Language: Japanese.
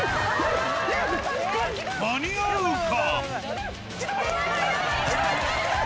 間に合うか？